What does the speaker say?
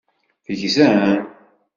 Tegzam?